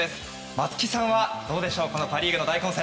松木さんはどうでしょうパ・リーグの大混戦。